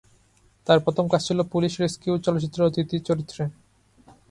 তার প্রথম কাজ ছিল "পুলিশ রেস্কিউ" চলচ্চিত্রে অতিথি চরিত্রে।